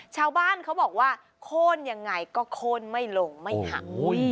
ชาวบ้านเขาบอกว่าโค้นยังไงก็โค้นไม่ลงไม่หัก